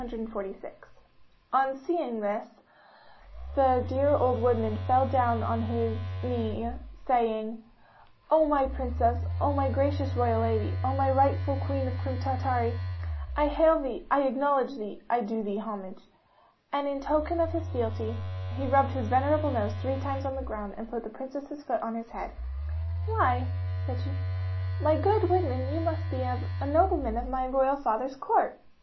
246.' On seeing this, the dear old woodman fell down on his knee, saying, 'O my Princess, O my gracious royal lady, O my rightful Queen of Crim Tartary, I hail thee I acknowledge thee I do thee homage!' And in token of his fealty, he rubbed his venerable nose three times on the ground, and put the Princess's foot on his head. 'Why,' said she, 'my good woodman, you must be a nobleman of my royal father's Court!